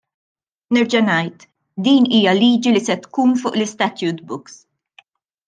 Nerġa' ngħid, din hija liġi li se tkun fuq l-istatute books.